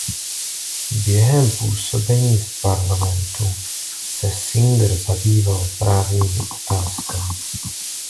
Během působení v parlamentu se Singer zabýval právními otázkami.